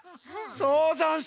そうざんす！